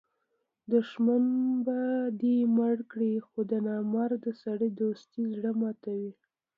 دوښمن به دي مړ کي؛ خو د نامرده سړي دوستي زړه ماتوي.